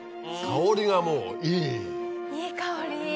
いい香り！